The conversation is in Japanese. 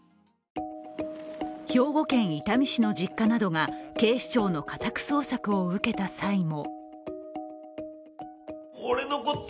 兵庫県伊丹市の実家などが警視庁の家宅捜索を受けた際にも